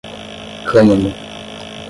cânhamo